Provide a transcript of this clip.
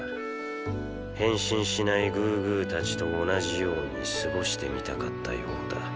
変身しないグーグー達と同じように過ごしてみたかったようだ。